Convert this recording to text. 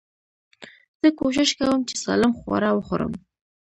زه کوشش کوم، چي سالم خواړه وخورم.